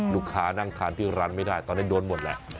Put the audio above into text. นั่งทานที่ร้านไม่ได้ตอนนี้โดนหมดแหละ